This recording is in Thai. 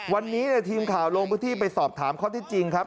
วันนี้ทีมข่าวลงพื้นที่ไปสอบถามข้อที่จริงครับ